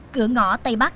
cửa ngõ tây bắc